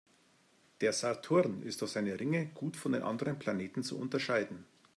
Der Saturn ist durch seine Ringe gut von den anderen Planeten zu unterscheiden.